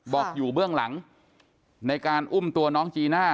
บอกอยู่เบื้องหลังในการอุ้มตัวน้องจีน่า